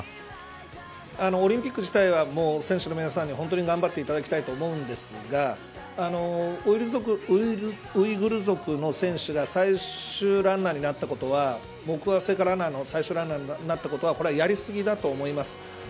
オリンピック自体は選手の皆さんに本当に頑張っていただきたいと思うんですがウイグル族の選手が最終ランナーになったことは僕は、聖火ランナーの最終ランナーになったことは僕はやりすぎだと思います。